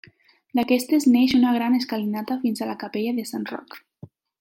D'aquestes neix una gran escalinata fins a la capella de Sant Roc.